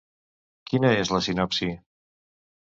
Quina és la sinopsi?